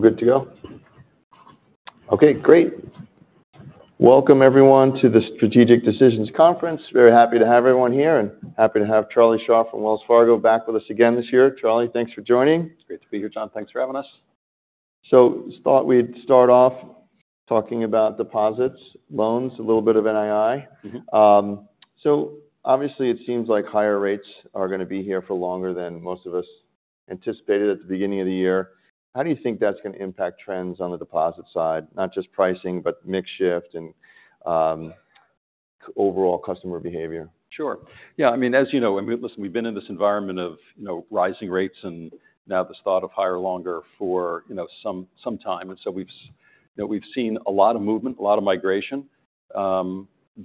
Okay. We're good to go? Okay, great. Welcome, everyone, to the Strategic Decisions Conference. Very happy to have everyone here, and happy to have Charlie Scharf from Wells Fargo back with us again this year. Charlie, thanks for joining. It's great to be here, John. Thanks for having us. Just thought we'd start off talking about deposits, loans, a little bit of NII. Mm-hmm. So obviously it seems like higher rates are gonna be here for longer than most of us anticipated at the beginning of the year. How do you think that's gonna impact trends on the deposit side? Not just pricing, but mix shift and overall customer behavior? Sure. Yeah, I mean, as you know, I mean, listen, we've been in this environment of, you know, rising rates, and now this thought of higher longer for, you know, some time. And so we've, you know, we've seen a lot of movement, a lot of migration.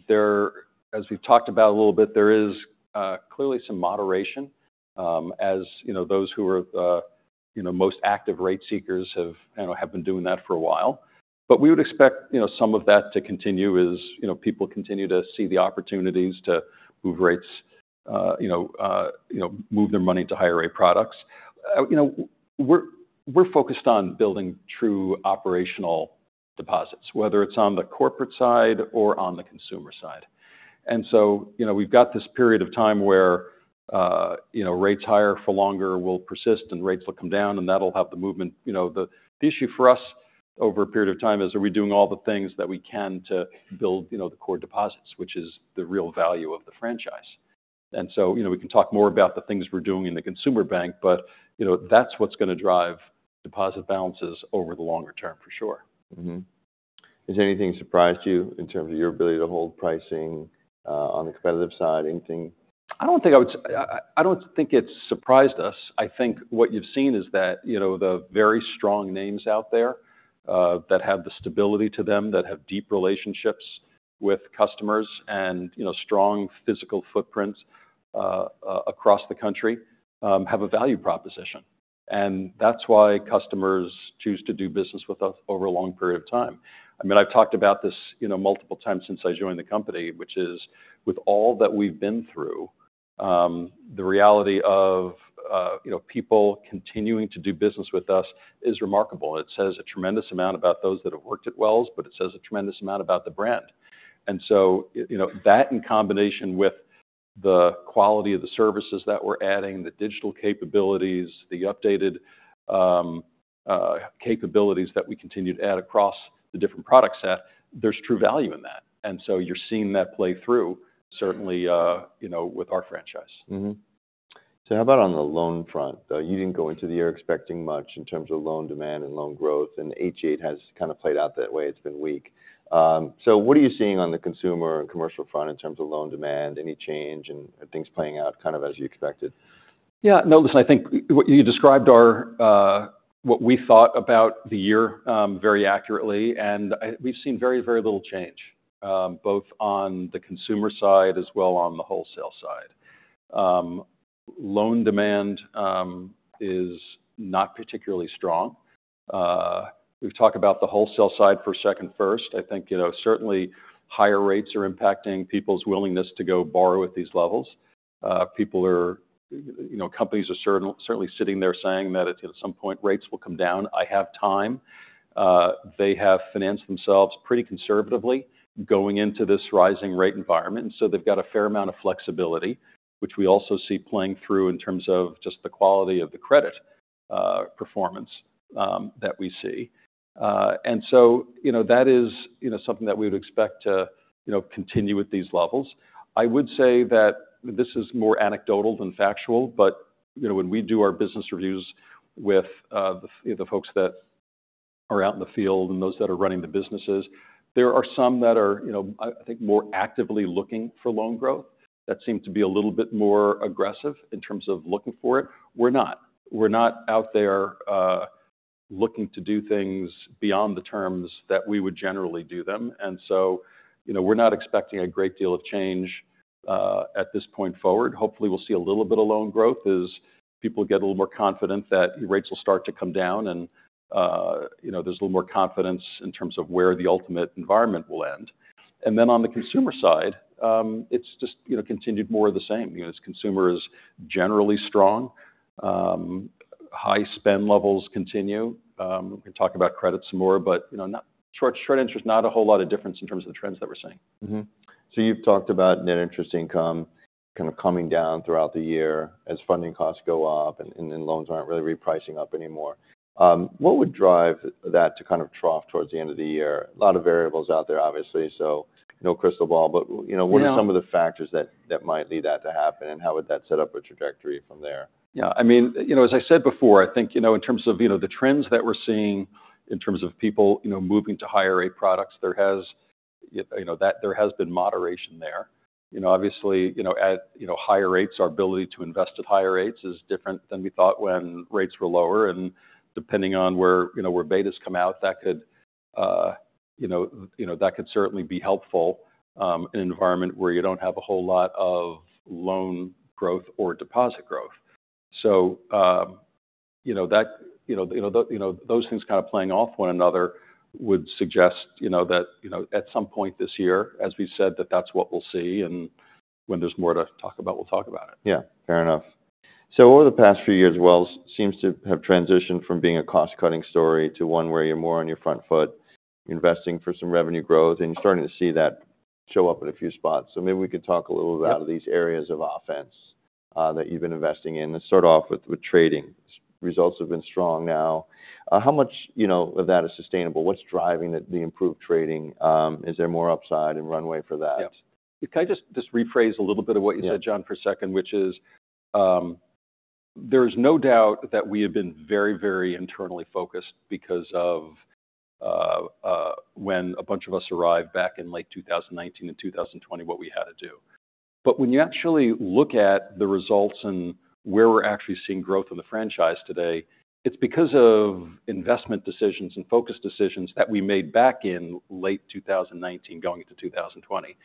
There, as we've talked about a little bit, there is clearly some moderation, as, you know, those who are, you know, most active rate seekers have, you know, have been doing that for a while. But we would expect, you know, some of that to continue as, you know, people continue to see the opportunities to move rates, you know, move their money to higher rate products. You know, we're focused on building true operational deposits, whether it's on the corporate side or on the consumer side. You know, we've got this period of time where, you know, rates higher for longer will persist, and rates will come down, and that'll have the movement. You know, the issue for us over a period of time is, are we doing all the things that we can to build, you know, the core deposits, which is the real value of the franchise? You know, we can talk more about the things we're doing in the consumer bank, but, you know, that's what's gonna drive deposit balances over the longer term, for sure. Mm-hmm. Has anything surprised you in terms of your ability to hold pricing, on the competitive side, anything? I don't think it's surprised us. I think what you've seen is that, you know, the very strong names out there, that have the stability to them, that have deep relationships with customers and, you know, strong physical footprints, across the country, have a value proposition. And that's why customers choose to do business with us over a long period of time. I mean, I've talked about this, you know, multiple times since I joined the company, which is, with all that we've been through, the reality of, you know, people continuing to do business with us is remarkable. It says a tremendous amount about those that have worked at Wells, but it says a tremendous amount about the brand. You know, that in combination with the quality of the services that we're adding, the digital capabilities, the updated capabilities that we continue to add across the different product set, there's true value in that. You're seeing that play through certainly, you know, with our franchise. Mm-hmm. So how about on the loan front? You didn't go into the year expecting much in terms of loan demand and loan growth, and H1 has kind of played out that way. It's been weak. So what are you seeing on the consumer and commercial front in terms of loan demand, any change and things playing out kind of as you expected? Yeah, no, listen, I think what you described our what we thought about the year very accurately, and we've seen very, very little change, both on the consumer side as well on the wholesale side. Loan demand is not particularly strong. We've talked about the wholesale side for a second first. I think, you know, certainly higher rates are impacting people's willingness to go borrow at these levels. People are, you know, companies are certainly sitting there saying that at some point, rates will come down, I have time. They have financed themselves pretty conservatively going into this rising rate environment, and so they've got a fair amount of flexibility, which we also see playing through in terms of just the quality of the credit performance that we see. And so, you know, that is, you know, something that we would expect to, you know, continue with these levels. I would say that this is more anecdotal than factual, but, you know, when we do our business reviews with the folks that are out in the field and those that are running the businesses, there are some that are, you know, I think, more actively looking for loan growth, that seem to be a little bit more aggressive in terms of looking for it. We're not. We're not out there, looking to do things beyond the terms that we would generally do them. And so, you know, we're not expecting a great deal of change, at this point forward. Hopefully, we'll see a little bit of loan growth as people get a little more confident that rates will start to come down and, you know, there's a little more confidence in terms of where the ultimate environment will end. And then on the consumer side, it's just, you know, continued more of the same. You know, as consumer is generally strong, high spend levels continue. We talk about credit some more, but, you know, not showing stress, not a whole lot of difference in terms of the trends that we're seeing. Mm-hmm. So you've talked about net interest income kind of coming down throughout the year as funding costs go up and, and then loans aren't really repricing up anymore. What would drive that to kind of trough towards the end of the year? A lot of variables out there, obviously, so no crystal ball. But, you know- Yeah... what are some of the factors that might lead that to happen, and how would that set up a trajectory from there? Yeah, I mean, you know, as I said before, I think, you know, in terms of, you know, the trends that we're seeing in terms of people, you know, moving to higher rate products, there has been moderation there. You know, obviously, you know, at, you know, higher rates, our ability to invest at higher rates is different than we thought when rates were lower, and depending on where, you know, where betas come out, that could, you know, you know, that could certainly be helpful in an environment where you don't have a whole lot of loan growth or deposit growth. So, you know, that, you know, you know, those things kind of playing off one another would suggest, you know, that, you know, at some point this year, as we've said, that that's what we'll see, and-... When there's more to talk about, we'll talk about it. Yeah, fair enough. So over the past few years, Wells seems to have transitioned from being a cost-cutting story to one where you're more on your front foot, investing for some revenue growth, and you're starting to see that show up in a few spots. So maybe we could talk a little bit- Yeah -about these areas of offense, that you've been investing in. Let's start off with, with trading. Results have been strong now. How much, you know, of that is sustainable? What's driving it, the improved trading? Is there more upside and runway for that? Yeah. Can I just rephrase a little bit of what you said- Yeah John, for a second, which is, there's no doubt that we have been very, very internally focused because of, when a bunch of us arrived back in late 2019 and 2020, what we had to do. But when you actually look at the results and where we're actually seeing growth in the franchise today, it's because of investment decisions and focus decisions that we made back in late 2019, going into 2020.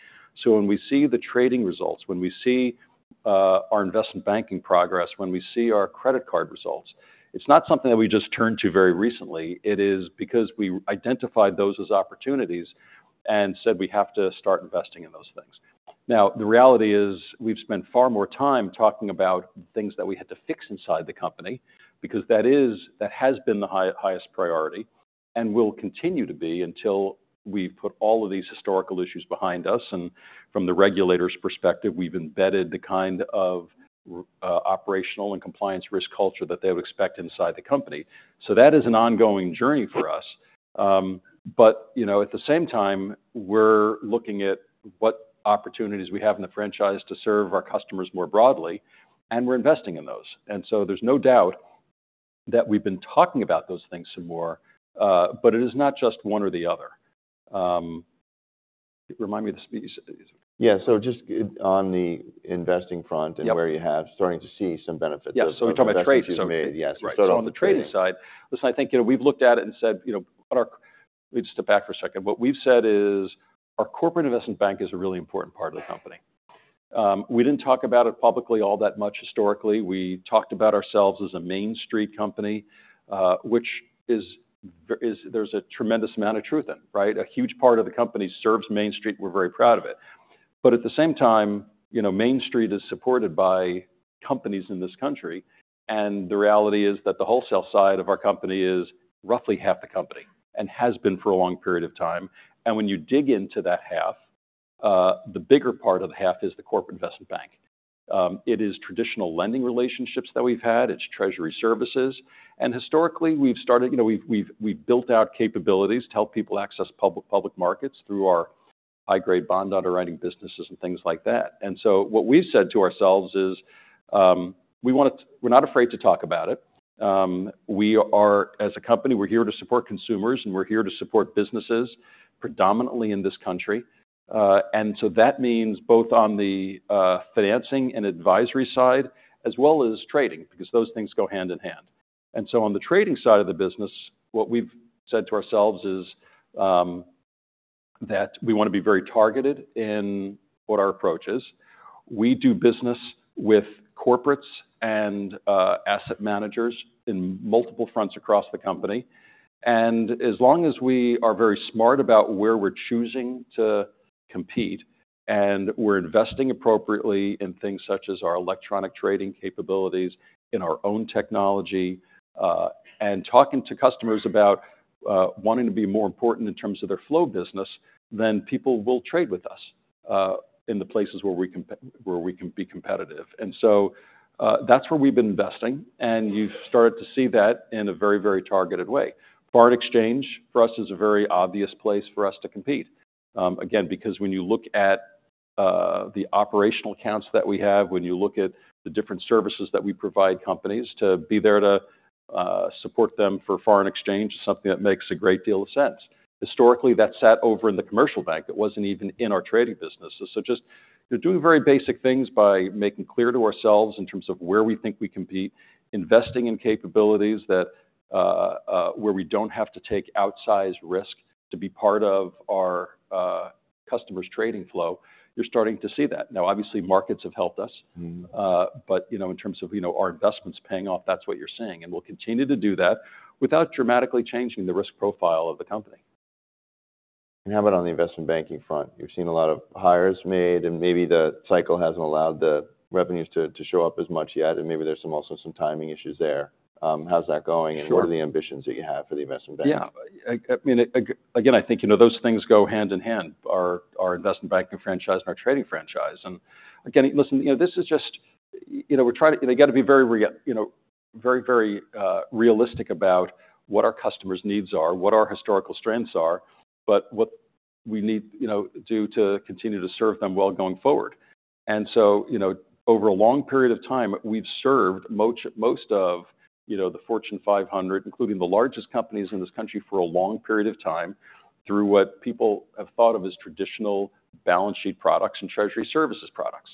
So when we see the trading results, when we see our investment banking progress, when we see our credit card results, it's not something that we just turned to very recently. It is because we identified those as opportunities and said we have to start investing in those things. Now, the reality is, we've spent far more time talking about the things that we had to fix inside the company, because that has been the highest priority, and will continue to be until we've put all of these historical issues behind us, and from the regulator's perspective, we've embedded the kind of operational and compliance risk culture that they would expect inside the company. So that is an ongoing journey for us. But, you know, at the same time, we're looking at what opportunities we have in the franchise to serve our customers more broadly, and we're investing in those. And so there's no doubt that we've been talking about those things some more, but it is not just one or the other. Remind me, the spe- Yeah. So just on the investing front- Yep and where you have starting to see some benefits Yeah, so we're talking about trade. Investments you've made. Yes, right. So on the trading side, listen, I think, you know, we've looked at it and said, you know, Let me just step back for a second. What we've said is, our corporate investment bank is a really important part of the company. We didn't talk about it publicly all that much historically. We talked about ourselves as a Main Street company, which is, there's a tremendous amount of truth in, right? A huge part of the company serves Main Street. We're very proud of it. But at the same time, you know, Main Street is supported by companies in this country, and the reality is that the wholesale side of our company is roughly half the company, and has been for a long period of time. And when you dig into that half, the bigger part of the half is the corporate investment bank. It is traditional lending relationships that we've had. It's treasury services. And historically, you know, we've built out capabilities to help people access public markets through our high-grade bond underwriting businesses and things like that. And so what we've said to ourselves is, we wanna. We're not afraid to talk about it. We are, as a company, we're here to support consumers, and we're here to support businesses, predominantly in this country. And so that means both on the financing and advisory side, as well as trading, because those things go hand in hand. And so on the trading side of the business, what we've said to ourselves is, that we wanna be very targeted in what our approach is. We do business with corporates and asset managers in multiple fronts across the company. And as long as we are very smart about where we're choosing to compete, and we're investing appropriately in things such as our electronic trading capabilities, in our own technology, and talking to customers about wanting to be more important in terms of their flow business, then people will trade with us in the places where we can be competitive. That's where we've been investing, and you've started to see that in a very, very targeted way. Foreign exchange, for us, is a very obvious place for us to compete. Again, because when you look at the operational accounts that we have, when you look at the different services that we provide companies to be there to support them for foreign exchange, is something that makes a great deal of sense. Historically, that sat over in the commercial bank. It wasn't even in our trading businesses. So just, you're doing very basic things by making clear to ourselves in terms of where we think we compete, investing in capabilities that where we don't have to take outsized risk to be part of our customers' trading flow. You're starting to see that. Now, obviously, markets have helped us. Mm-hmm. But, you know, in terms of, you know, our investments paying off, that's what you're seeing, and we'll continue to do that without dramatically changing the risk profile of the company. How about on the investment banking front? You've seen a lot of hires made, and maybe the cycle hasn't allowed the revenues to show up as much yet, and maybe there's some, also some timing issues there. How's that going? Sure. What are the ambitions that you have for the investment bank? Yeah. I mean, again, I think, you know, those things go hand in hand, our investment banking franchise and our trading franchise. And again, listen, you know, this is just... You know, we're trying to—you got to be very realistic about what our customers' needs are, what our historical strengths are, but what we need, you know, do to continue to serve them well going forward. And so, you know, over a long period of time, we've served most of, you know, the Fortune 500, including the largest companies in this country, for a long period of time, through what people have thought of as traditional balance sheet products and treasury services products.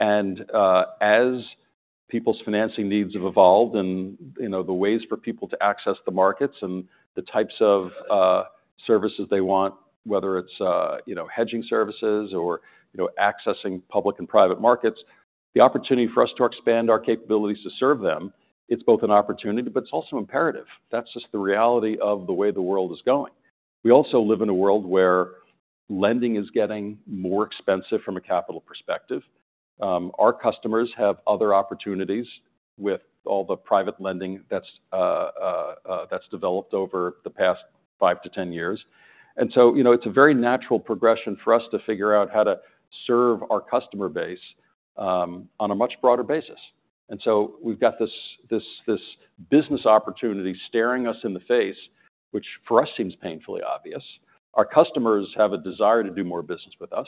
As people's financing needs have evolved and, you know, the ways for people to access the markets and the types of, services they want, whether it's, you know, hedging services or, you know, accessing public and private markets, the opportunity for us to expand our capabilities to serve them, it's both an opportunity, but it's also imperative. That's just the reality of the way the world is going.... We also live in a world where lending is getting more expensive from a capital perspective. Our customers have other opportunities with all the private lending that's developed over the past 5-10 years. And so, you know, it's a very natural progression for us to figure out how to serve our customer base, on a much broader basis. And so we've got this business opportunity staring us in the face, which for us, seems painfully obvious. Our customers have a desire to do more business with us.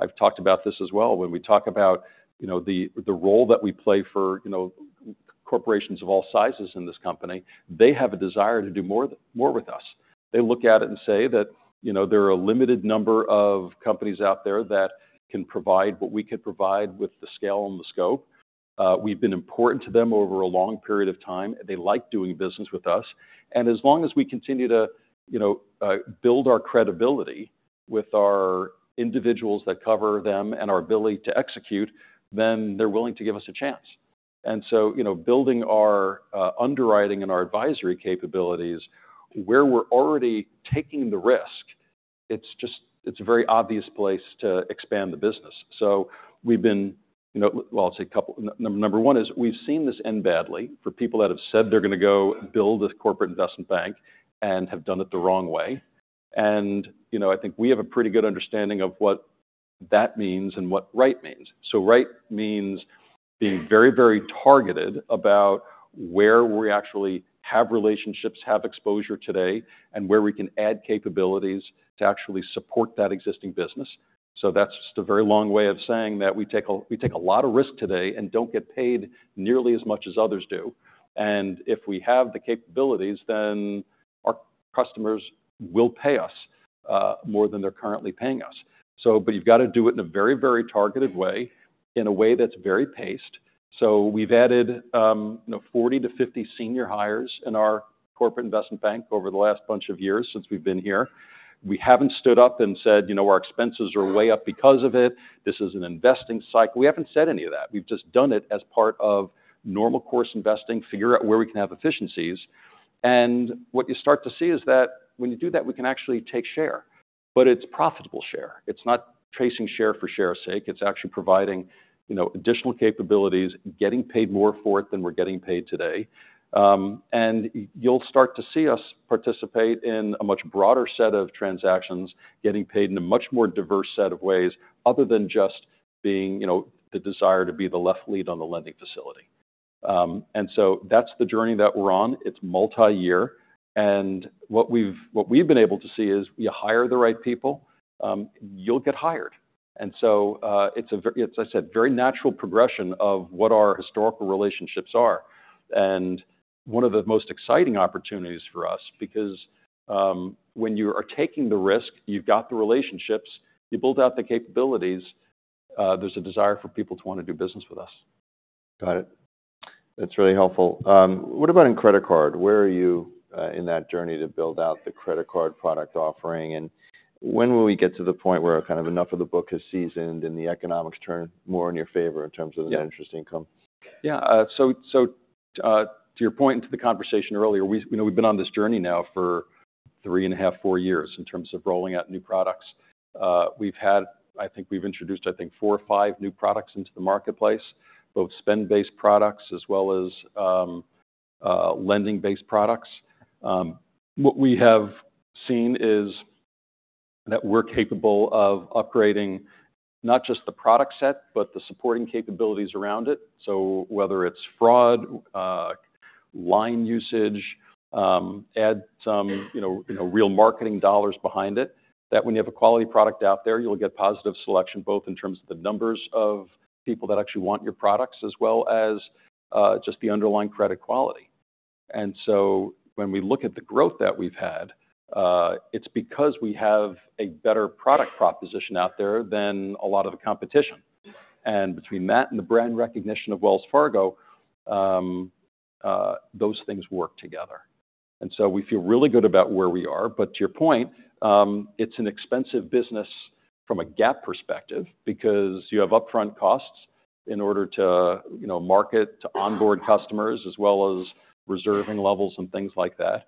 I've talked about this as well. When we talk about, you know, the role that we play for, you know, corporations of all sizes in this company, they have a desire to do more with us. They look at it and say that, you know, there are a limited number of companies out there that can provide what we could provide with the scale and the scope. We've been important to them over a long period of time, and they like doing business with us. And as long as we continue to, you know, build our credibility with our individuals that cover them and our ability to execute, then they're willing to give us a chance. And so, you know, building our, underwriting and our advisory capabilities, where we're already taking the risk, it's just, it's a very obvious place to expand the business. So we've been, you know, well, I'll say a couple, number one is we've seen this end badly for people that have said they're gonna go build a corporate investment bank and have done it the wrong way. And, you know, I think we have a pretty good understanding of what that means and what right means. So right means being very, very targeted about where we actually have relationships, have exposure today, and where we can add capabilities to actually support that existing business. So that's just a very long way of saying that we take a, we take a lot of risk today and don't get paid nearly as much as others do. And if we have the capabilities, then our customers will pay us more than they're currently paying us. So but you've got to do it in a very, very targeted way, in a way that's very paced. So we've added, you know, 40-50 senior hires in our corporate investment bank over the last bunch of years since we've been here. We haven't stood up and said, "You know, our expenses are way up because of it. This is an investing cycle." We haven't said any of that. We've just done it as part of normal course investing, figure out where we can have efficiencies. What you start to see is that when you do that, we can actually take share, but it's profitable share. It's not chasing share for share's sake. It's actually providing, you know, additional capabilities, getting paid more for it than we're getting paid today. And you'll start to see us participate in a much broader set of transactions, getting paid in a much more diverse set of ways other than just being, you know, the desire to be the left lead on the lending facility. And so that's the journey that we're on. It's multi-year, and what we've been able to see is, you hire the right people, you'll get hired. And so, it's a very natural progression of what our historical relationships are, and one of the most exciting opportunities for us, because when you are taking the risk, you've got the relationships, you build out the capabilities, there's a desire for people to wanna do business with us. Got it. That's really helpful. What about in credit card? Where are you in that journey to build out the credit card product offering? And when will we get to the point where kind of enough of the book has seasoned and the economics turn more in your favor in terms of- Yeah... interest income? Yeah. So, to your point, to the conversation earlier, we, you know, we've been on this journey now for 3.5-4 years in terms of rolling out new products. We've had... I think we've introduced, I think, 4 or 5 new products into the marketplace, both spend-based products as well as, lending-based products. What we have seen is that we're capable of upgrading not just the product set, but the supporting capabilities around it. So whether it's fraud, line usage, add some, you know, you know, real marketing dollars behind it, that when you have a quality product out there, you'll get positive selection, both in terms of the numbers of people that actually want your products, as well as, just the underlying credit quality. When we look at the growth that we've had, it's because we have a better product proposition out there than a lot of the competition. Between that and the brand recognition of Wells Fargo, those things work together. We feel really good about where we are. But to your point, it's an expensive business from a GAAP perspective because you have upfront costs in order to, you know, market to onboard customers, as well as reserving levels and things like that.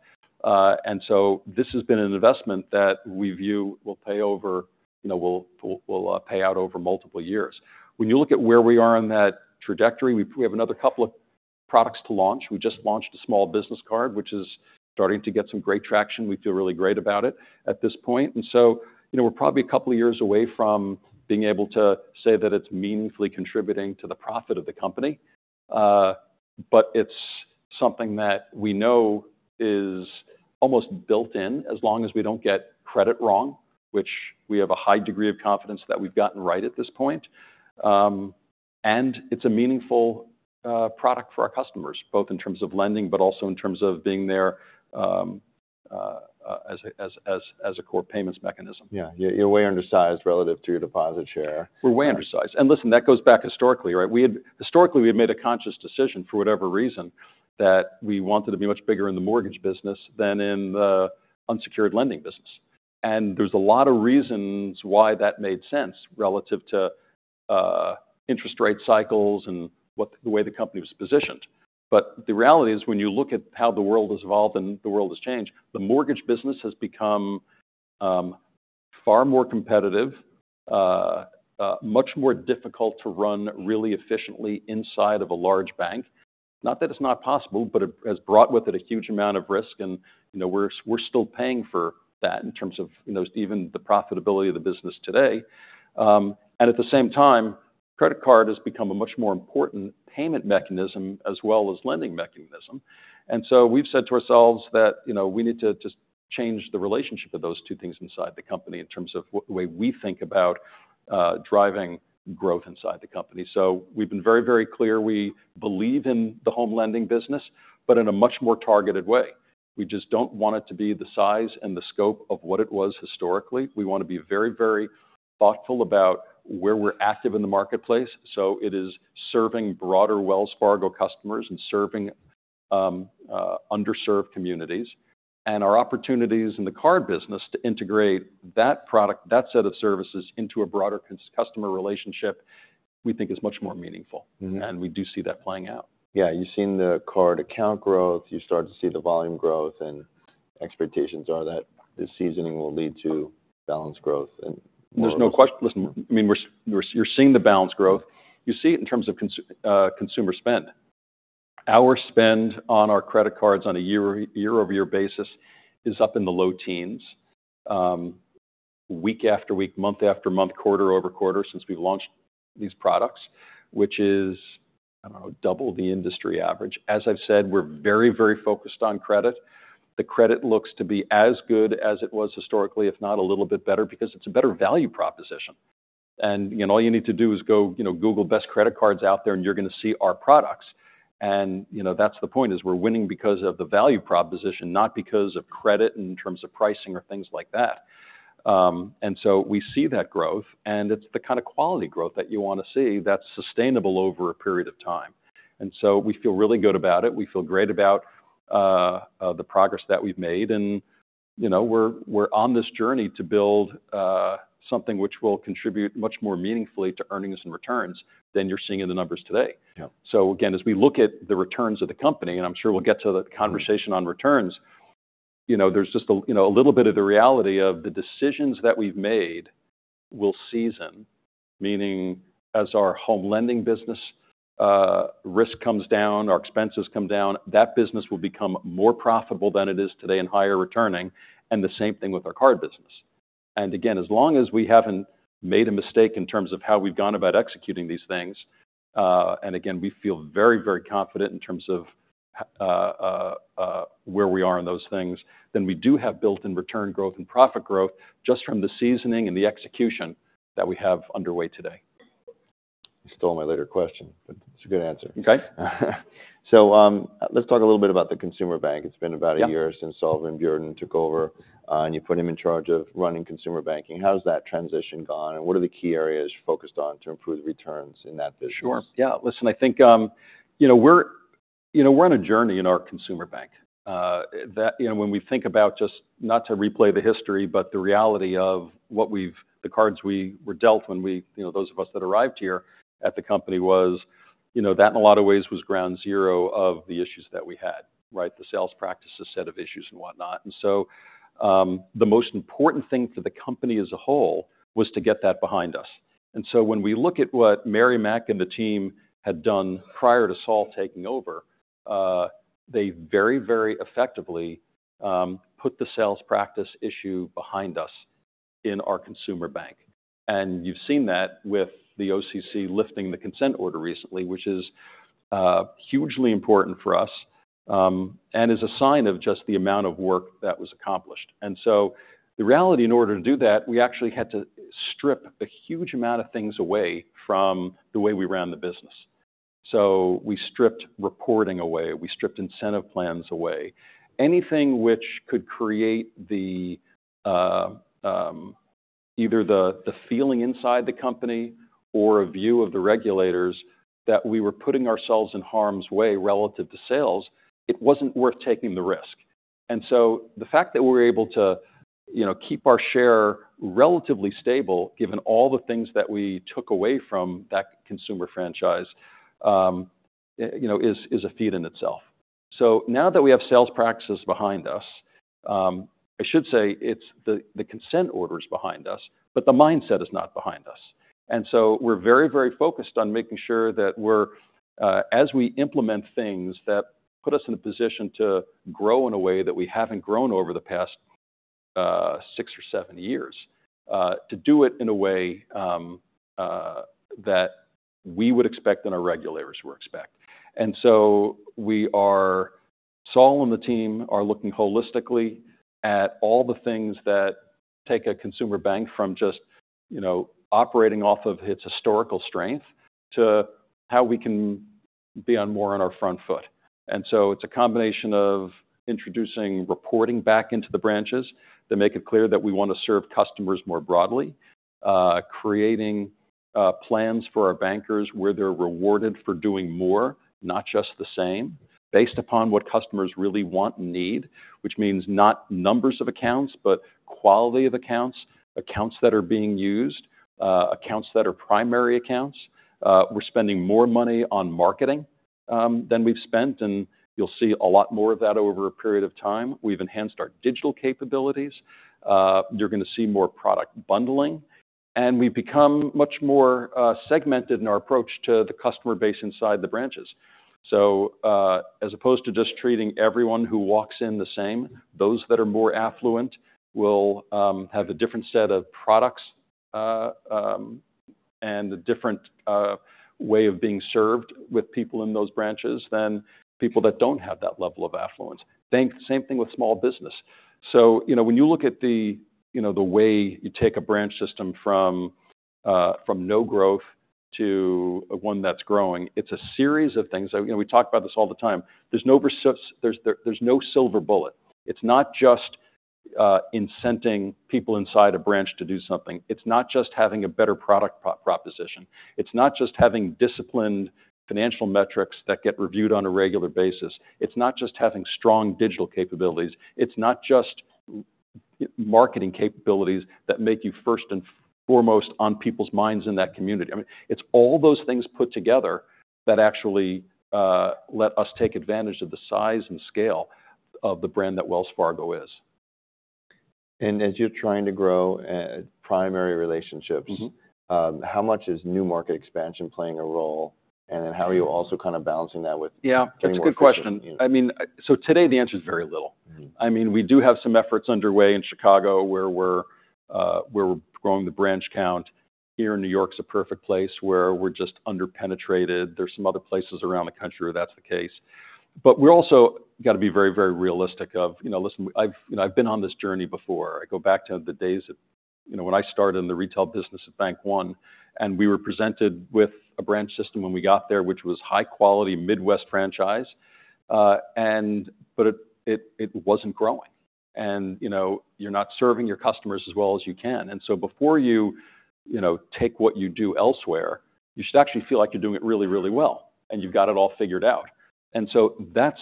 This has been an investment that we view will pay over, you know, will pay out over multiple years. When you look at where we are on that trajectory, we have another couple of products to launch. We just launched a small business card, which is starting to get some great traction. We feel really great about it at this point. And so, you know, we're probably a couple of years away from being able to say that it's meaningfully contributing to the profit of the company. But it's something that we know is almost built in, as long as we don't get credit wrong, which we have a high degree of confidence that we've gotten right at this point. And it's a meaningful product for our customers, both in terms of lending, but also in terms of being there as a core payments mechanism. Yeah, you're way undersized relative to your deposit share. We're way undersized. And listen, that goes back historically, right? We had historically, we had made a conscious decision, for whatever reason, that we wanted to be much bigger in the mortgage business than in the unsecured lending business. And there's a lot of reasons why that made sense relative to interest rate cycles and the way the company was positioned. But the reality is, when you look at how the world has evolved and the world has changed, the mortgage business has become far more competitive, much more difficult to run really efficiently inside of a large bank. Not that it's not possible, but it has brought with it a huge amount of risk, and, you know, we're, we're still paying for that in terms of, you know, even the profitability of the business today. And at the same time, credit card has become a much more important payment mechanism as well as lending mechanism. And so we've said to ourselves that, you know, we need to just change the relationship of those two things inside the company in terms of the way we think about driving growth inside the company. We've been very, very clear we believe in the home lending business, but in a much more targeted way. We just don't want it to be the size and the scope of what it was historically. We want to be very, very thoughtful about where we're active in the marketplace, so it is serving broader Wells Fargo customers and serving underserved communities. Our opportunities in the card business to integrate that product, that set of services into a broader customer relationship, we think is much more meaningful. Mm-hmm. We do see that playing out. Yeah, you've seen the card account growth, you've started to see the volume growth, and expectations are that the seasoning will lead to balance growth, and- There's no question. Listen, I mean, we're—you're seeing the balance growth. You see it in terms of consumer spend. Our spend on our credit cards on a year-over-year basis is up in the low teens, week after week, month after month, quarter-over-quarter, since we've launched these products, which is, I don't know, double the industry average. As I've said, we're very, very focused on credit. The credit looks to be as good as it was historically, if not a little bit better, because it's a better value proposition. And, you know, all you need to do is go, you know, Google best credit cards out there, and you're gonna see our products. And, you know, that's the point, is we're winning because of the value proposition, not because of credit in terms of pricing or things like that. And so we see that growth, and it's the kind of quality growth that you want to see that's sustainable over a period of time. And so we feel really good about it. We feel great about the progress that we've made, and, you know, we're on this journey to build something which will contribute much more meaningfully to earnings and returns than you're seeing in the numbers today. Yeah. So again, as we look at the returns of the company, and I'm sure we'll get to the conversation on returns, you know, there's just a you know a little bit of the reality of the decisions that we've made will season. Meaning, as our home lending business risk comes down, our expenses come down, that business will become more profitable than it is today, and higher returning, and the same thing with our card business. And again, as long as we haven't made a mistake in terms of how we've gone about executing these things and again, we feel very, very confident in terms of where we are in those things, then we do have built-in return growth and profit growth just from the seasoning and the execution that we have underway today. You stole my later question, but it's a good answer. Okay. Let's talk a little bit about the consumer bank. Yeah. It's been about a year since Saul Van Beurden took over, and you put him in charge of running consumer banking. How has that transition gone, and what are the key areas you're focused on to improve returns in that business? Sure. Yeah, listen, I think, you know, we're on a journey in our consumer bank that - you know, when we think about just, not to replay the history, but the reality of what we've - the cards we were dealt when we, you know, those of us that arrived here at the company was, you know, that, in a lot of ways, was ground zero of the issues that we had, right? The sales practices set of issues and whatnot. And so, the most important thing for the company as a whole was to get that behind us. And so when we look at what Mary Mack and the team had done prior to Saul taking over, they very, very effectively put the sales practices issue behind us in our consumer bank. You've seen that with the OCC lifting the consent order recently, which is hugely important for us, and is a sign of just the amount of work that was accomplished. So the reality, in order to do that, we actually had to strip a huge amount of things away from the way we ran the business. We stripped reporting away, we stripped incentive plans away. Anything which could create either the feeling inside the company or a view of the regulators that we were putting ourselves in harm's way relative to sales, it wasn't worth taking the risk. So the fact that we're able to, you know, keep our share relatively stable, given all the things that we took away from that consumer franchise, you know, is a feat in itself. So now that we have sales practices behind us, I should say, it's the, the consent order is behind us, but the mindset is not behind us. And so we're very, very focused on making sure that we're, as we implement things that put us in a position to grow in a way that we haven't grown over the past, six or seven years, to do it in a way, that we would expect and our regulators would expect. And so we are, Saul and the team are looking holistically at all the things that take a consumer bank from just, you know, operating off of its historical strength to how we can be more on our front foot. And so it's a combination of introducing reporting back into the branches that make it clear that we want to serve customers more broadly, creating plans for our bankers where they're rewarded for doing more, not just the same, based upon what customers really want and need, which means not numbers of accounts, but quality of accounts, accounts that are being used, accounts that are primary accounts. We're spending more money on marketing than we've spent, and you'll see a lot more of that over a period of time. We've enhanced our digital capabilities. You're gonna see more product bundling, and we've become much more segmented in our approach to the customer base inside the branches. So, as opposed to just treating everyone who walks in the same, those that are more affluent will have a different set of products and a different way of being served with people in those branches than people that don't have that level of affluence. Same thing with small business. So, you know, when you look at the, you know, the way you take a branch system from from no growth to one that's growing, it's a series of things. You know, we talk about this all the time. There's no silver bullet. It's not just incenting people inside a branch to do something. It's not just having a better product proposition. It's not just having disciplined financial metrics that get reviewed on a regular basis. It's not just having strong digital capabilities. It's not just marketing capabilities that make you first and foremost on people's minds in that community. I mean, it's all those things put together that actually let us take advantage of the size and scale of the brand that Wells Fargo is. And as you're trying to grow, primary relationships- Mm-hmm. How much is new market expansion playing a role? And then how are you also kind of balancing that with- Yeah, that's a good question. Yeah. I mean, so today the answer is very little. Mm-hmm. I mean, we do have some efforts underway in Chicago, where we're growing the branch count. Here in New York is a perfect place where we're just under-penetrated. There's some other places around the country where that's the case, but we're also gotta be very, very realistic of... You know, listen, I've, you know, I've been on this journey before. I go back to the days of, you know, when I started in the retail business at Bank One, and we were presented with a branch system when we got there, which was high quality Midwest franchise, and but it wasn't growing. You know, you're not serving your customers as well as you can. So before you, you know, take what you do elsewhere, you should actually feel like you're doing it really, really well, and you've got it all figured out. And so that's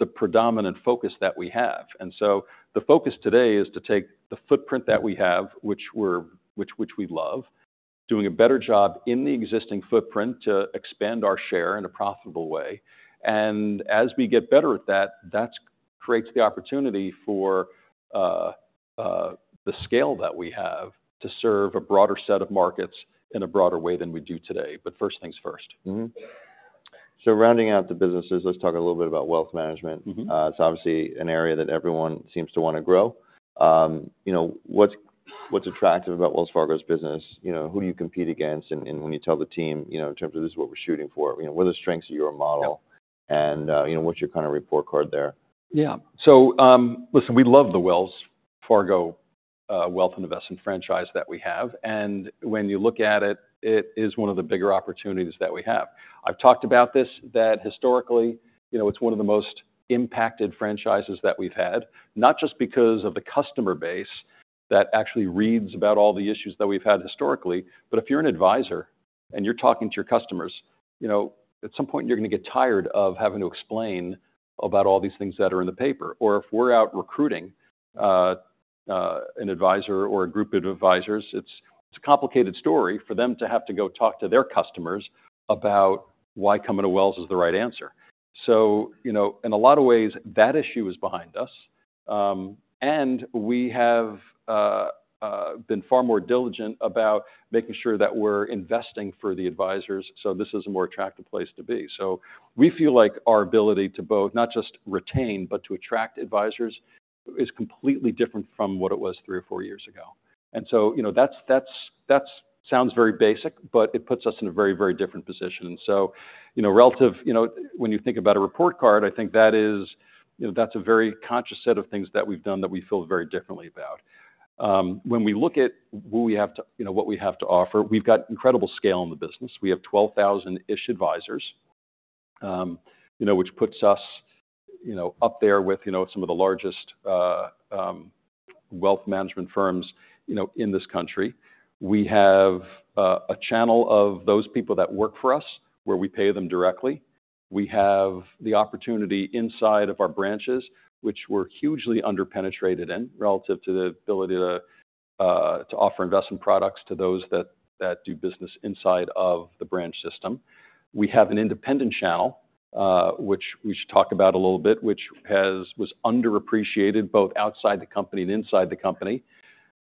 the predominant focus that we have. And so the focus today is to take the footprint that we have, which we love, doing a better job in the existing footprint to expand our share in a profitable way. And as we get better at that, that's creates the opportunity for the scale that we have to serve a broader set of markets in a broader way than we do today. But first things first. Mm-hmm. So rounding out the businesses, let's talk a little bit about wealth management. Mm-hmm. It's obviously an area that everyone seems to wanna grow. You know, what's attractive about Wells Fargo's business? You know, who do you compete against? And when you tell the team, you know, in terms of this is what we're shooting for, you know, what are the strengths of your model- Yeah. -and, you know, what's your kind of report card there? Yeah. So, listen, we love the Wells Fargo wealth and investment franchise that we have, and when you look at it, it is one of the bigger opportunities that we have. I've talked about this, that historically, you know, it's one of the most impacted franchises that we've had, not just because of the customer base that actually reads about all the issues that we've had historically, but if you're an advisor and you're talking to your customers, you know, at some point, you're gonna get tired of having to explain about all these things that are in the paper. Or if we're out recruiting an advisor or a group of advisors, it's a complicated story for them to have to go talk to their customers about why coming to Wells is the right answer. So, you know, in a lot of ways, that issue is behind us, and we have been far more diligent about making sure that we're investing for the advisors, so this is a more attractive place to be. So we feel like our ability to both, not just retain, but to attract advisors, is completely different from what it was three or four years ago. And so, you know, that sounds very basic, but it puts us in a very, very different position. So, you know, when you think about a report card, I think that is, you know, that's a very conscious set of things that we've done that we feel very differently about. When we look at what we have to, you know, what we have to offer, we've got incredible scale in the business. We have 12,000-ish advisors, you know, which puts us, you know, up there with, you know, some of the largest, wealth management firms, you know, in this country. We have a channel of those people that work for us, where we pay them directly. We have the opportunity inside of our branches, which we're hugely under-penetrated in, relative to the ability to to offer investment products to those that, that do business inside of the branch system. We have an independent channel, which we should talk about a little bit, which was underappreciated both outside the company and inside the company.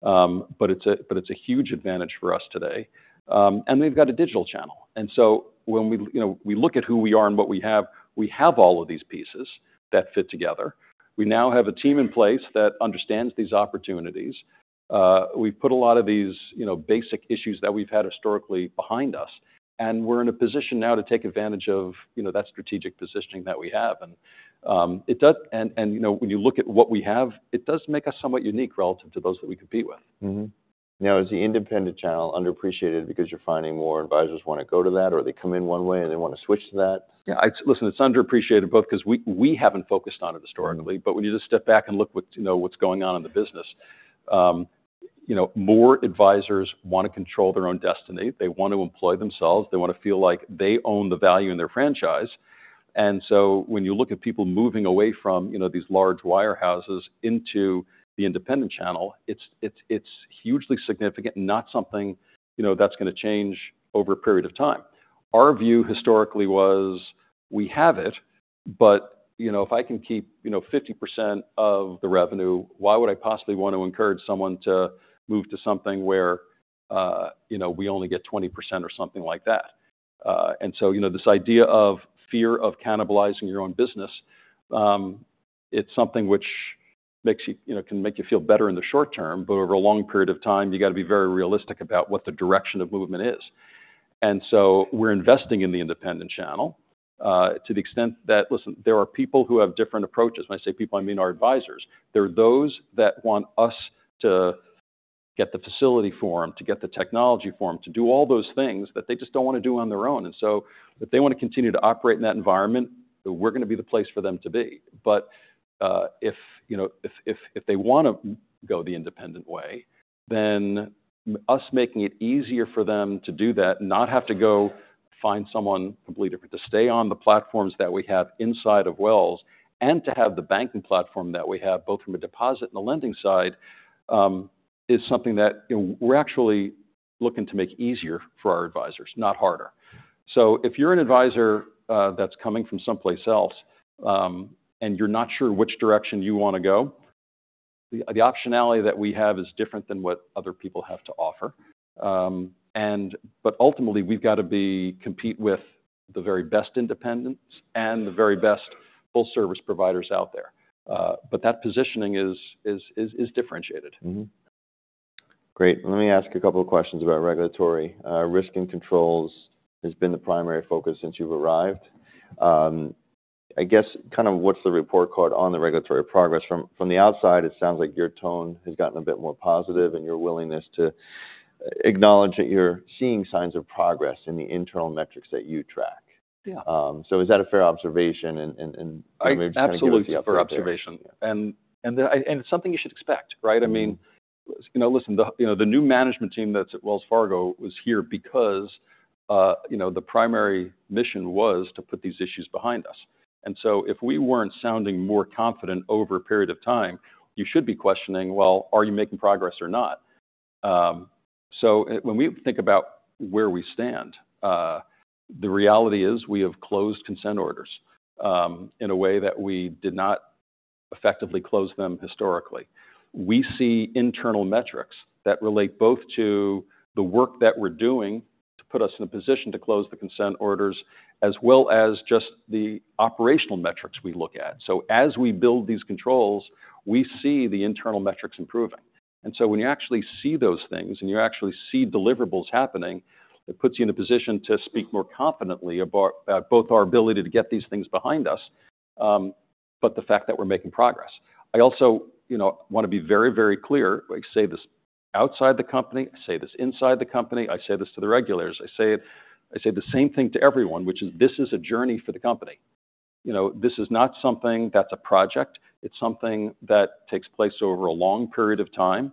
But it's a huge advantage for us today. And we've got a digital channel. And so when we, you know, we look at who we are and what we have, we have all of these pieces that fit together. We now have a team in place that understands these opportunities. We've put a lot of these, you know, basic issues that we've had historically behind us, and we're in a position now to take advantage of, you know, that strategic positioning that we have. And, and, you know, when you look at what we have, it does make us somewhat unique relative to those that we compete with. Mm-hmm. Now, is the independent channel underappreciated because you're finding more advisors wanna go to that, or they come in one way, and they wanna switch to that? Yeah, listen, it's underappreciated both because we, we haven't focused on it historically. Mm-hmm. But when you just step back and look at what, you know, what's going on in the business, you know, more advisors want to control their own destiny. They want to employ themselves. They want to feel like they own the value in their franchise. And so when you look at people moving away from, you know, these large wirehouses into the independent channel, it's, it's, it's hugely significant, not something, you know, that's going to change over a period of time. Our view historically was, we have it, but, you know, if I can keep, you know, 50% of the revenue, why would I possibly want to encourage someone to move to something where, you know, we only get 20% or something like that? And so, you know, this idea of fear of cannibalizing your own business, it's something which makes you, you know, can make you feel better in the short term, but over a long period of time, you got to be very realistic about what the direction of movement is. And so we're investing in the independent channel, to the extent that... Listen, there are people who have different approaches. When I say people, I mean our advisors. There are those that want us to get the facility for them, to get the technology for them, to do all those things that they just don't want to do on their own. And so if they want to continue to operate in that environment, we're going to be the place for them to be. But, if, you know, if they want to go the independent way, then us making it easier for them to do that, not have to go find someone completely different, to stay on the platforms that we have inside of Wells, and to have the banking platform that we have, both from a deposit and the lending side, is something that, you know, we're actually looking to make easier for our advisors, not harder. So if you're an advisor, that's coming from someplace else, and you're not sure which direction you want to go, the optionality that we have is different than what other people have to offer. But ultimately, we've got to compete with the very best independents and the very best full service providers out there. But that positioning is differentiated. Mm-hmm. Great. Let me ask a couple of questions about regulatory. Risk and controls has been the primary focus since you've arrived. I guess kind of what's the report card on the regulatory progress? From, from the outside, it sounds like your tone has gotten a bit more positive, and your willingness to acknowledge that you're seeing signs of progress in the internal metrics that you track. Yeah. So, is that a fair observation? Absolutely, fair observation. Yeah. And it's something you should expect, right? Mm-hmm. I mean, you know, listen, you know, the new management team that's at Wells Fargo was here because, you know, the primary mission was to put these issues behind us. So if we weren't sounding more confident over a period of time, you should be questioning, well, are you making progress or not? So when we think about where we stand, the reality is we have closed consent orders, in a way that we did not effectively close them historically. We see internal metrics that relate both to the work that we're doing to put us in a position to close the consent orders, as well as just the operational metrics we look at. So as we build these controls, we see the internal metrics improving. And so when you actually see those things and you actually see deliverables happening, it puts you in a position to speak more confidently about both our ability to get these things behind us, but the fact that we're making progress. I also, you know, want to be very, very clear. I say this outside the company, I say this inside the company, I say this to the regulators. I say the same thing to everyone, which is this is a journey for the company. You know, this is not something that's a project. It's something that takes place over a long period of time,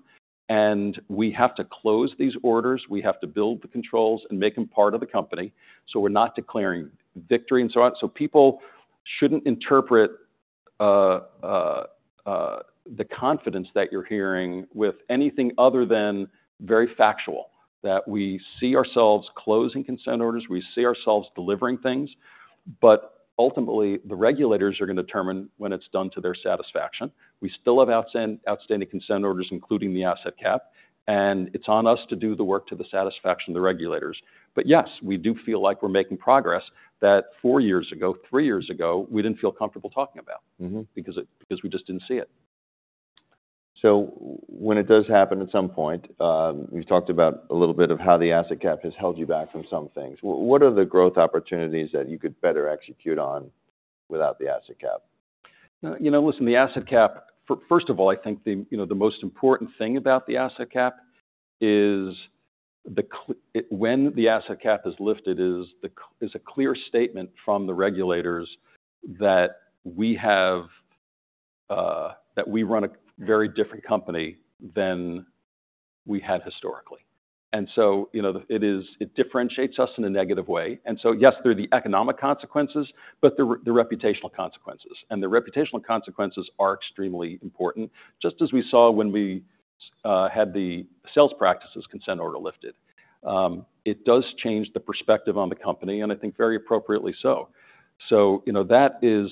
and we have to close these orders. We have to build the controls and make them part of the company. So we're not declaring victory and so on. So people shouldn't interpret the confidence that you're hearing with anything other than very factual, that we see ourselves closing consent orders, we see ourselves delivering things, but ultimately, the regulators are going to determine when it's done to their satisfaction. We still have outstanding consent orders, including the asset cap, and it's on us to do the work to the satisfaction of the regulators. But yes, we do feel like we're making progress, that four years ago, three years ago, we didn't feel comfortable talking about- Mm-hmm... because we just didn't see it. So when it does happen, at some point, you've talked about a little bit of how the asset cap has held you back from some things. What are the growth opportunities that you could better execute on without the asset cap? You know, listen, the asset cap, first of all, I think, you know, the most important thing about the asset cap is, when the asset cap is lifted, a clear statement from the regulators that we have that we run a very different company than we had historically. And so, you know, it differentiates us in a negative way. And so, yes, there are the economic consequences, but the reputational consequences, and the reputational consequences are extremely important, just as we saw when we had the sales practices consent order lifted. It does change the perspective on the company, and I think very appropriately so. So, you know, that is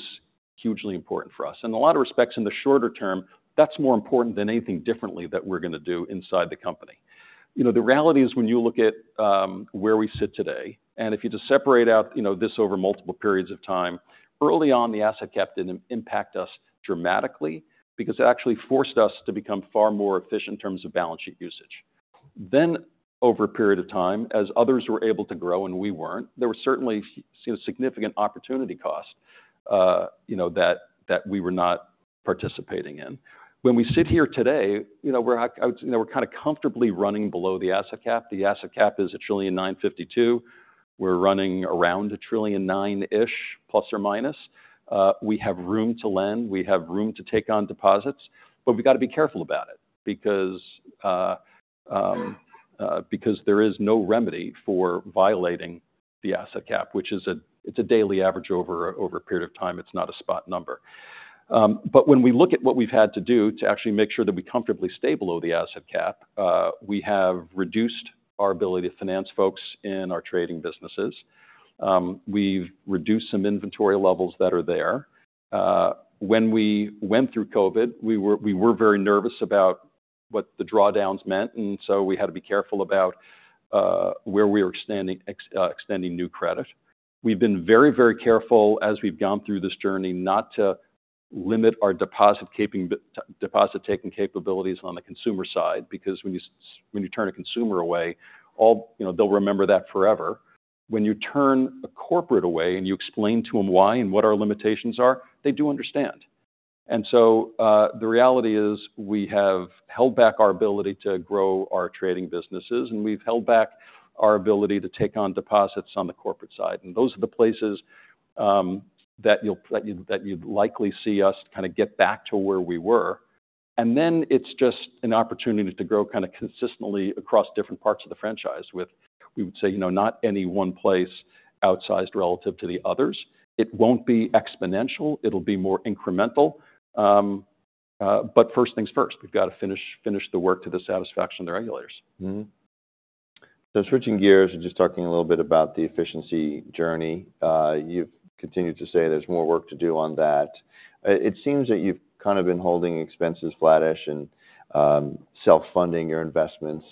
hugely important for us. In a lot of respects, in the shorter term, that's more important than anything different that we're going to do inside the company. You know, the reality is when you look at where we sit today, and if you just separate out, you know, this over multiple periods of time, early on, the asset cap didn't impact us dramatically because it actually forced us to become far more efficient in terms of balance sheet usage. Then over a period of time, as others were able to grow and we weren't, there were certainly significant opportunity costs, you know, that, that we were not participating in. When we sit here today, you know, we're kind of comfortably running below the asset cap. The asset cap is $1.952 trillion. We're running around $1.9 trillion-ish, plus or minus. We have room to lend, we have room to take on deposits, but we've got to be careful about it because there is no remedy for violating the asset cap, which is, it's a daily average over a period of time. It's not a spot number. But when we look at what we've had to do to actually make sure that we comfortably stay below the asset cap, we have reduced our ability to finance folks in our trading businesses. We've reduced some inventory levels that are there. When we went through COVID, we were very nervous about what the drawdowns meant, and so we had to be careful about where we were extending new credit. We've been very, very careful as we've gone through this journey, not to limit our deposit capping but deposit-taking capabilities on the consumer side, because when you turn a consumer away, all. You know, they'll remember that forever. When you turn a corporate away, and you explain to them why and what our limitations are, they do understand. And so, the reality is, we have held back our ability to grow our trading businesses, and we've held back our ability to take on deposits on the corporate side. And those are the places that you'd likely see us kind of get back to where we were. And then it's just an opportunity to grow kind of consistently across different parts of the franchise with, we would say, you know, not any one place outsized relative to the others. It won't be exponential, it'll be more incremental. But first things first, we've got to finish the work to the satisfaction of the regulators. Mm-hmm. So switching gears and just talking a little bit about the efficiency journey. You've continued to say there's more work to do on that. It seems that you've kind of been holding expenses flattish and self-funding your investments,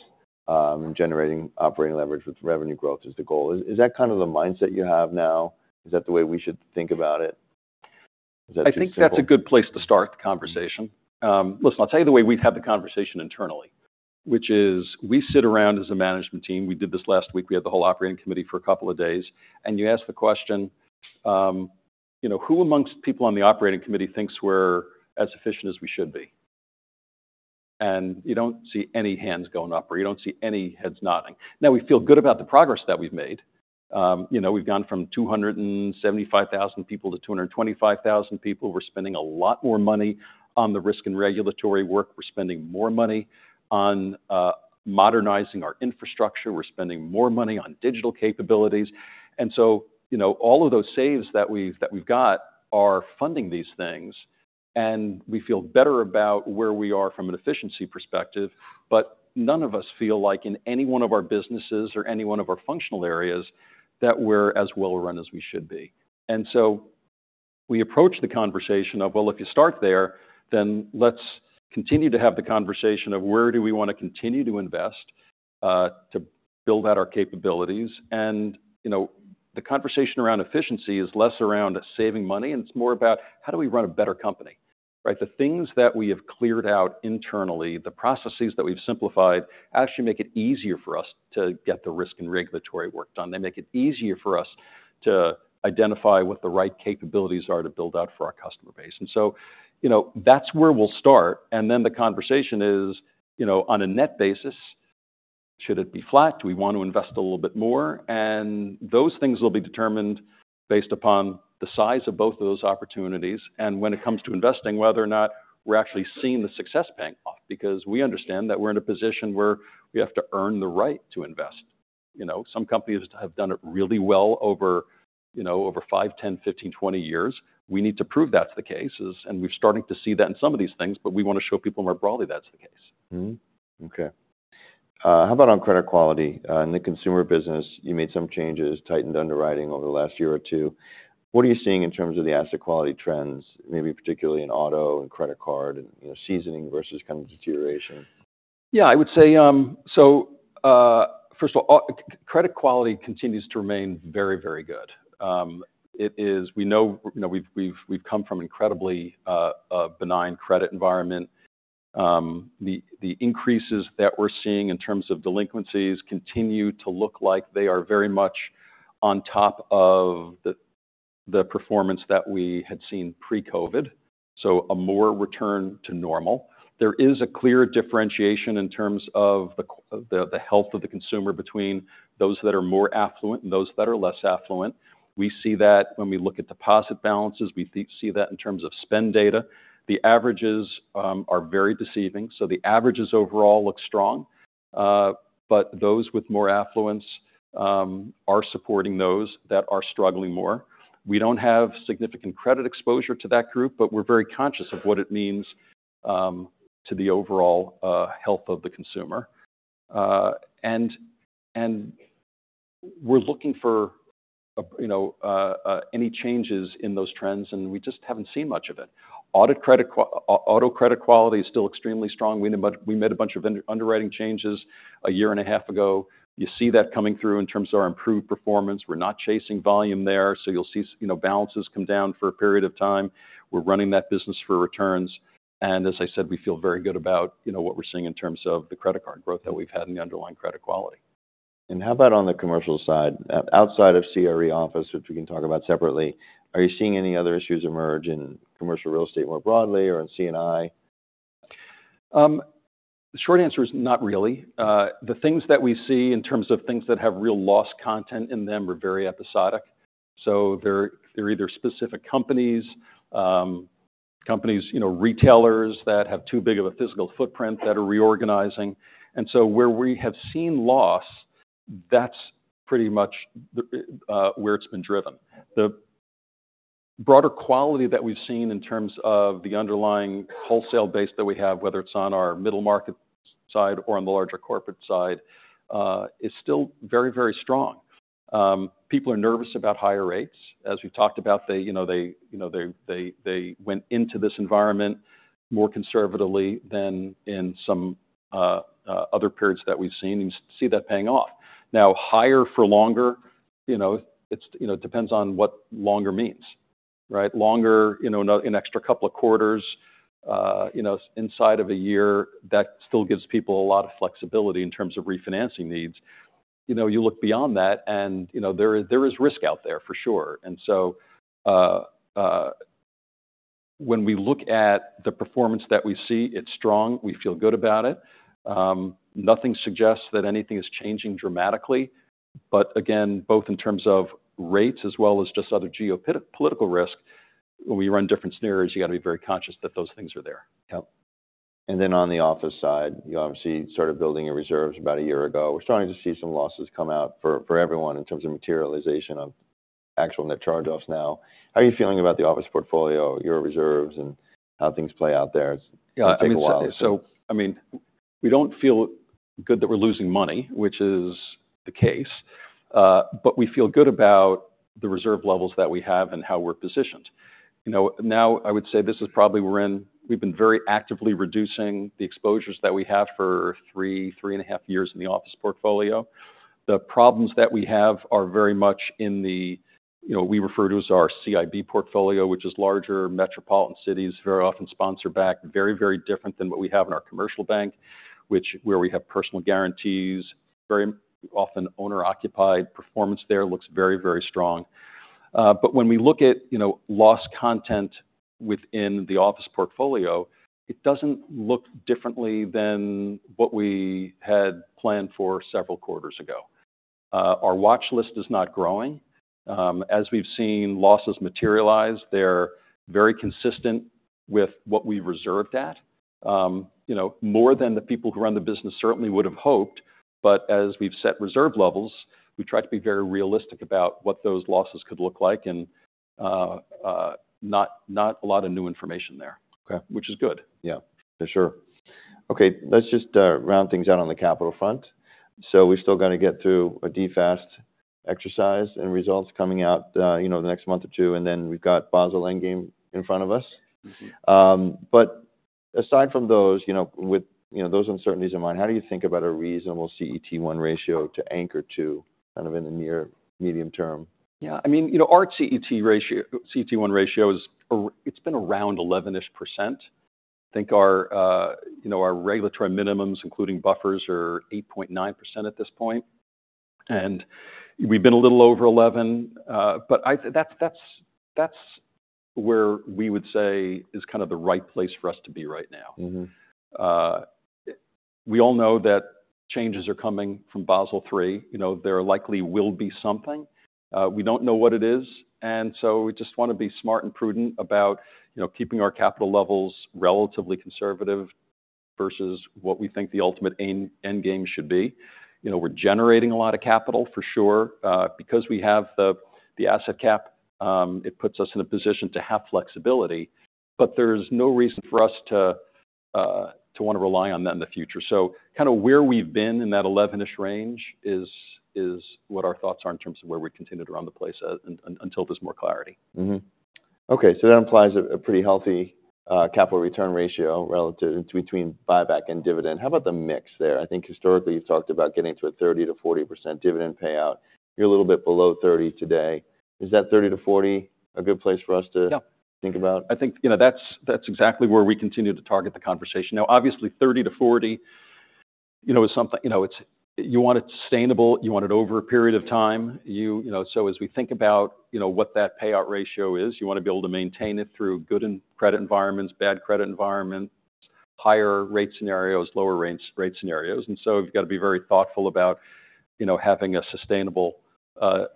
and generating operating leverage with revenue growth is the goal. Is that kind of the mindset you have now? Is that the way we should think about it? Is that too simple? I think that's a good place to start the conversation. Listen, I'll tell you the way we've had the conversation internally, which is, we sit around as a management team. We did this last week. We had the whole Operating Committee for a couple of days, and you ask the question, you know, "Who amongst the people on the Operating Committee thinks we're as efficient as we should be?" And you don't see any hands going up, or you don't see any heads nodding. Now, we feel good about the progress that we've made. You know, we've gone from 275,000 people to 225,000 people. We're spending a lot more money on the risk and regulatory work. We're spending more money on modernizing our infrastructure. We're spending more money on digital capabilities, and so, you know, all of those saves that we've got are funding these things, and we feel better about where we are from an efficiency perspective, but none of us feel like in any one of our businesses or any one of our functional areas, that we're as well run as we should be. So we approach the conversation of, well, if you start there, then let's continue to have the conversation of where do we want to continue to invest to build out our capabilities. You know, the conversation around efficiency is less around saving money, and it's more about how do we run a better company, right? The things that we have cleared out internally, the processes that we've simplified, actually make it easier for us to get the risk and regulatory work done. They make it easier for us to identify what the right capabilities are to build out for our customer base. And so, you know, that's where we'll start, and then the conversation is, you know, on a net basis, should it be flat? Do we want to invest a little bit more? And those things will be determined based upon the size of both of those opportunities, and when it comes to investing, whether or not we're actually seeing the success paying off, because we understand that we're in a position where we have to earn the right to invest. You know, some companies have done it really well over, you know, over 5, 10, 15, 20 years. We need to prove that's the case, and we're starting to see that in some of these things, but we want to show people more broadly that's the case. Mm-hmm. Okay. How about on credit quality? In the consumer business, you made some changes, tightened underwriting over the last year or two. What are you seeing in terms of the asset quality trends, maybe particularly in auto and credit card and, you know, seasoning versus kind of deterioration? Yeah, I would say, so first of all, credit quality continues to remain very, very good. We know, you know, we've come from incredibly a benign credit environment. The increases that we're seeing in terms of delinquencies continue to look like they are very much on top of the performance that we had seen pre-COVID, so a more return to normal. There is a clear differentiation in terms of the health of the consumer between those that are more affluent and those that are less affluent. We see that when we look at deposit balances. We see that in terms of spend data. The averages are very deceiving, so the averages overall look strong, but those with more affluence are supporting those that are struggling more. We don't have significant credit exposure to that group, but we're very conscious of what it means to the overall health of the consumer. We're looking for, you know, any changes in those trends, and we just haven't seen much of it. Auto credit quality is still extremely strong. We made a bunch of underwriting changes a year and a half ago. You see that coming through in terms of our improved performance. We're not chasing volume there, so you'll see, you know, balances come down for a period of time. We're running that business for returns, and as I said, we feel very good about, you know, what we're seeing in terms of the credit card growth that we've had in the underlying credit quality. How about on the commercial side? Outside of CRE office, which we can talk about separately, are you seeing any other issues emerge in commercial real estate more broadly, or in CIB?... The short answer is not really. The things that we see in terms of things that have real loss content in them are very episodic. So they're, they're either specific companies, companies, you know, retailers that have too big of a physical footprint that are reorganizing. And so where we have seen loss, that's pretty much where it's been driven. The broader quality that we've seen in terms of the underlying wholesale base that we have, whether it's on our middle market side or on the larger corporate side, is still very, very strong. People are nervous about higher rates. As we've talked about, they, you know, they, you know, they, they, they went into this environment more conservatively than in some other periods that we've seen, and you see that paying off. Now, higher for longer, you know, it's you know, depends on what longer means, right? Longer, you know, an extra couple of quarters, you know, inside of a year, that still gives people a lot of flexibility in terms of refinancing needs. You know, you look beyond that and, you know, there is risk out there for sure. And so, when we look at the performance that we see, it's strong. We feel good about it. Nothing suggests that anything is changing dramatically. But again, both in terms of rates as well as just other geopolitical risk, when we run different scenarios, you got to be very conscious that those things are there. Yep. And then on the office side, you obviously started building your reserves about a year ago. We're starting to see some losses come out for, for everyone in terms of materialization of actual net charge-offs now. How are you feeling about the office portfolio, your reserves, and how things play out there? Yeah, I mean- It might take a while. So, I mean, we don't feel good that we're losing money, which is the case, but we feel good about the reserve levels that we have and how we're positioned. You know, now, I would say this is probably, we've been very actively reducing the exposures that we have for 3, 3.5 years in the office portfolio. The problems that we have are very much in the, you know, we refer to as our CIB portfolio, which is larger metropolitan cities, very often sponsor backed, very, very different than what we have in our commercial bank, which where we have personal guarantees, very often owner-occupied. Performance there looks very, very strong. But when we look at, you know, loss content within the office portfolio, it doesn't look differently than what we had planned for several quarters ago. Our watch list is not growing. As we've seen, losses materialize, they're very consistent with what we reserved at. You know, more than the people who run the business certainly would have hoped. But as we've set reserve levels, we try to be very realistic about what those losses could look like, and not a lot of new information there. Okay. Which is good. Yeah, for sure. Okay, let's just round things out on the capital front. So we still got to get through a DFAST exercise and results coming out, you know, the next month or two, and then we've got Basel Endgame in front of us. Mm-hmm. But aside from those, you know, you know, those uncertainties in mind, how do you think about a reasonable CET1 ratio to anchor to kind of in the near medium term? Yeah, I mean, you know, our CET1 ratio—it's been around 11%-ish. I think our, you know, our regulatory minimums, including buffers, are 8.9% at this point, and we've been a little over 11%. But that's where we would say is kind of the right place for us to be right now. Mm-hmm. We all know that changes are coming from Basel III. You know, there likely will be something. We don't know what it is, and so we just want to be smart and prudent about, you know, keeping our capital levels relatively conservative versus what we think the ultimate endgame should be. You know, we're generating a lot of capital, for sure, because we have the asset cap, it puts us in a position to have flexibility, but there's no reason for us to, to want to rely on that in the future. So kind of where we've been in that 11-ish range is what our thoughts are in terms of where we continue to run the place at until there's more clarity. Mm-hmm. Okay, so that implies a pretty healthy capital return ratio relative between buyback and dividend. How about the mix there? I think historically, you've talked about getting to a 30%-40% dividend payout. You're a little bit below 30% today. Is that 30%-40% a good place for us to- Yeah -think about? I think, you know, that's, that's exactly where we continue to target the conversation. Now, obviously, 30-40, you know, is something... You know, it's- you want it sustainable, you want it over a period of time. You, you know, so as we think about, you know, what that payout ratio is, you want to be able to maintain it through good and credit environments, bad credit environments, higher rate scenarios, lower range, rate scenarios. And so you've got to be very thoughtful about, you know, having a sustainable,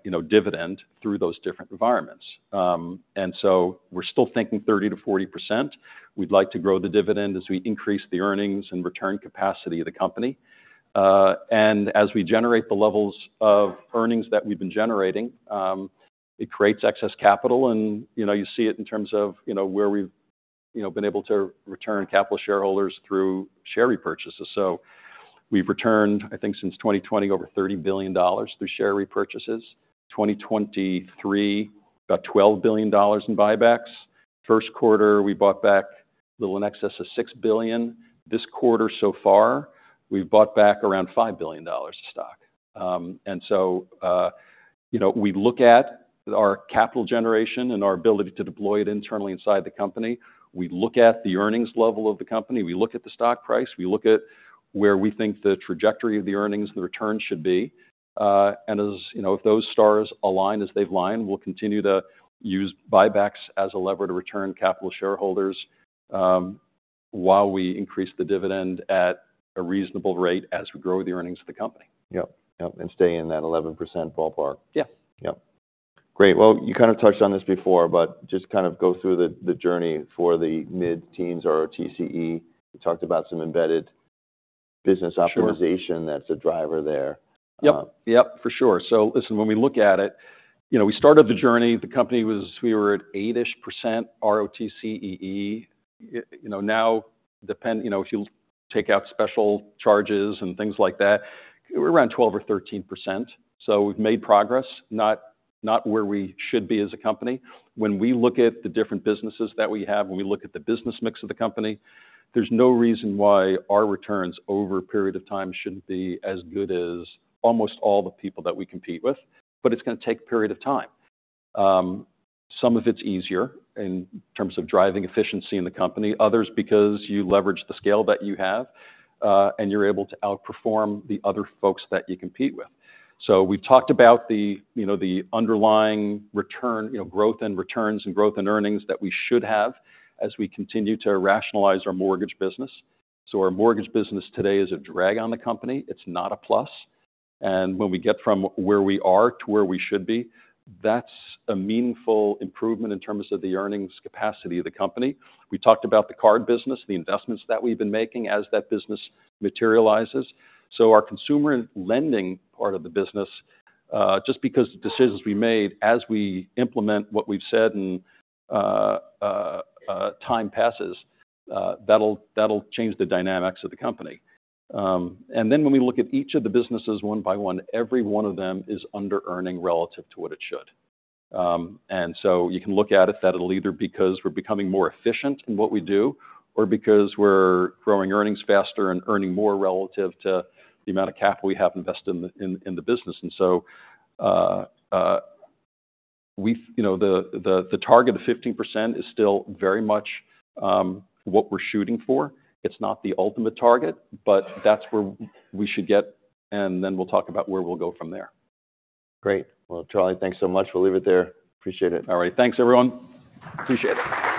you know, dividend through those different environments. And so we're still thinking 30%-40%. We'd like to grow the dividend as we increase the earnings and return capacity of the company. And as we generate the levels of earnings that we've been generating, it creates excess capital, and, you know, you see it in terms of, you know, where we've, you know, been able to return capital shareholders through share repurchases. So we've returned, I think, since 2020, over $30 billion through share repurchases. 2023, about $12 billion in buybacks. First quarter, we bought back a little in excess of $6 billion. This quarter so far, we've bought back around $5 billion of stock. And so, you know, we look at our capital generation and our ability to deploy it internally inside the company. We look at the earnings level of the company, we look at the stock price, we look at where we think the trajectory of the earnings and the returns should be. As you know, if those stars align as they've aligned, we'll continue to use buybacks as a lever to return capital to shareholders while we increase the dividend at a reasonable rate as we grow the earnings of the company. Yep, yep, and stay in that 11% ballpark. Yes. Yep. Great. Well, you kind of touched on this before, but just kind of go through the journey for the mid-teens ROTCE. You talked about some embedded business- Sure Optimization that's a driver there. Yep, yep, for sure. So listen, when we look at it, you know, we started the journey, the company was, we were at 8-ish% ROTCE. You know, now, depend, you know, if you take out special charges and things like that, we're around 12 or 13%. So we've made progress, not, not where we should be as a company. When we look at the different businesses that we have, when we look at the business mix of the company, there's no reason why our returns over a period of time shouldn't be as good as almost all the people that we compete with, but it's gonna take a period of time. Some of it's easier in terms of driving efficiency in the company, others because you leverage the scale that you have, and you're able to outperform the other folks that you compete with. So we've talked about the, you know, the underlying return, you know, growth and returns, and growth and earnings that we should have as we continue to rationalize our mortgage business. So our mortgage business today is a drag on the company. It's not a plus. And when we get from where we are to where we should be, that's a meaningful improvement in terms of the earnings capacity of the company. We talked about the card business, the investments that we've been making as that business materializes. So our consumer lending part of the business, just because the decisions we made as we implement what we've said and time passes, that'll change the dynamics of the company. And then when we look at each of the businesses one by one, every one of them is under-earning relative to what it should. And so you can look at it, that it'll either because we're becoming more efficient in what we do or because we're growing earnings faster and earning more relative to the amount of capital we have invested in the business. And so, we've-- you know, the target of 15% is still very much what we're shooting for. It's not the ultimate target, but that's where we should get, and then we'll talk about where we'll go from there. Great. Well, Charlie, thanks so much. We'll leave it there. Appreciate it. All right. Thanks, everyone. Appreciate it.